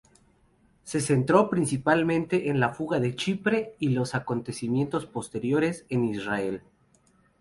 Se centró principalmente en la fuga de Chipre y los acontecimientos posteriores en Israel.